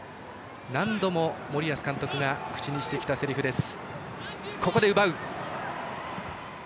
何度も森保監督が口にしてきたせりふです。